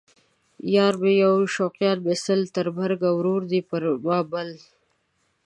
یار مې یو شوقیان مې سل ـ تر مرګه ورور دی پر ما بل